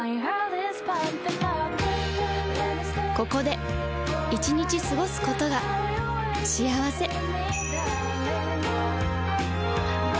ここで１日過ごすことが幸せ